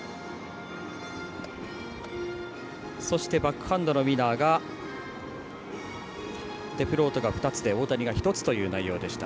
そしてバックハンドのウィナーがデフロートが２つで大谷が１つという内容でした。